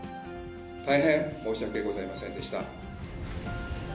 大変申し訳ございませんでした。